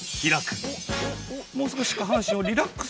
もう少し下半身をリラックス。